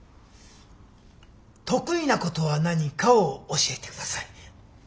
得意なことは何かを教えてください。